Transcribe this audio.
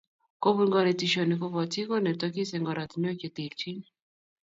Kobun konetishioni kobotik konetokis eng oratinwek che terchin